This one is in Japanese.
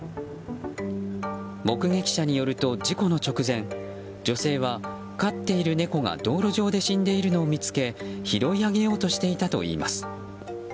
目撃者によると、事故の直前女性は飼っている猫が道路上で死んでいるのを見つけ拾い上げようとしていたといいます。